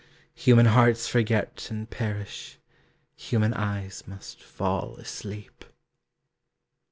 Human hearts forget and perish, Human eyes must fall asleep.